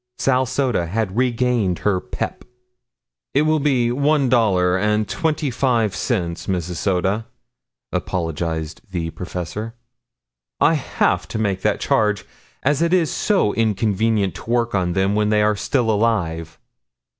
Sal Soda had regained her pep. "It will be one dollar and twenty five cents, Mrs. Soda," apologized the professor. "I have to make that charge as it is so inconvenient to work on them when they are still alive."